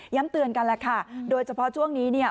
เตือนกันแหละค่ะโดยเฉพาะช่วงนี้เนี่ย